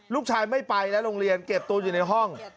ลูกชายไม่ไปนะโรงเรียนเก็บตัวอยู่ในห้อง